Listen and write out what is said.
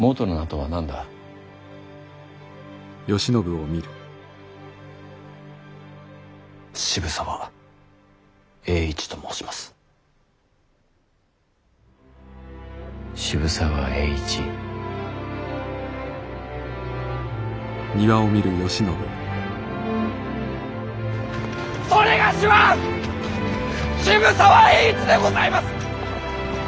某は渋沢栄一でございます！